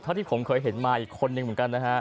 เท่าที่ผมเคยเห็นมาอีกคนเดียวเหมือนกันนะครับ